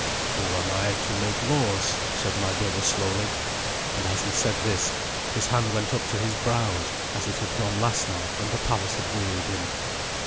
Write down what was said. "Who am I to make laws?" said my brother slowly, and, as he said this, his hand went up to his brows as it had gone last night when the palace had wearied him.